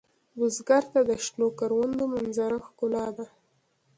بزګر ته د شنو کروندو منظره ښکلا ده